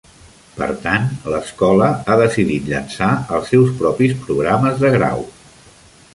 Per tant, l'escola ha decidit llançar els seus propis programes de grau.